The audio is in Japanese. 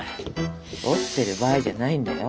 折ってる場合じゃないんだよ。